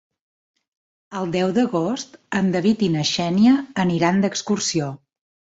El deu d'agost en David i na Xènia aniran d'excursió.